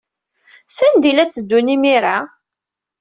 Sanda ay la tteddun imir-a?